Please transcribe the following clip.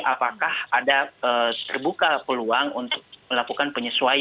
apakah ada terbuka peluang untuk melakukan penyesuaian